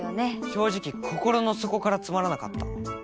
正直心の底からつまらなかった